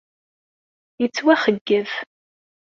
Yettwaxeyyeb.